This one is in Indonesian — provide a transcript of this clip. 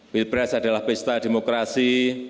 pilpres adalah pesta demokrasi